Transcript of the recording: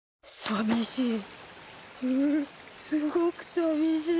寂しい！